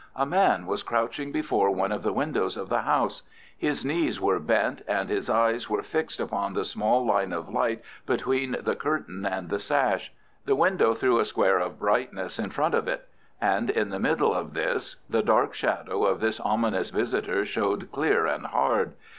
A man was crouching before one of the windows of the house. His knees were bent and his eyes were fixed upon the small line of light between the curtain and the sash. The window threw a square of brightness in front of it, and in the middle of this the dark shadow of this ominous visitor showed clear and hard.